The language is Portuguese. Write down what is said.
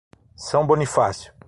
São Bonifácio